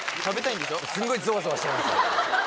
すんごいゾワゾワしました。